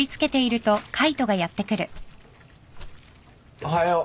おはよう。